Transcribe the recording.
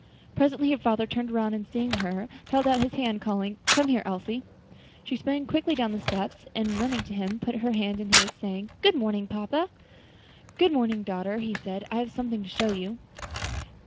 Presently her father turned round, and seeing her, held out his hand, calling, "Come here, Elsie." She sprang quickly down the steps, and running to him, put her hand in his, saying, "Good morning, papa." "Good morning, daughter," said he, "I have something to show you."